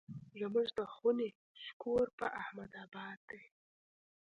زموږ د خونې شکور په احمد اباد دی.